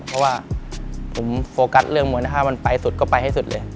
เพราะว่าผมโฟกัสเรื่องมูลค่ามันไปสุดก็ไปให้สุดเลย